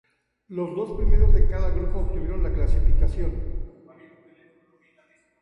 Los dos primeros de cada grupo obtuvieron la clasificación.